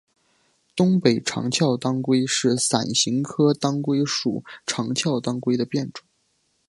东北长鞘当归是伞形科当归属长鞘当归的变种。